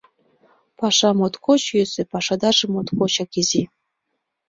Паша моткоч йӧсӧ, пашадарже моткочак изи.